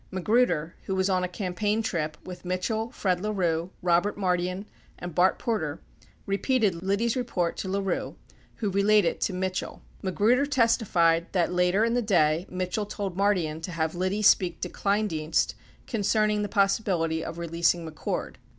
Magruder, who was on a campaign trip with Mitchell, Fred LaRue, Robert Mardian, and Bart Porter, repeated Liddy's report to LaRue, who relayed it to Mitchell. 65 Magruder testified that, later in the day, Mitchell told Mardian to have Liddy speak to Kleindienst concerning the possibility of releasing McCord.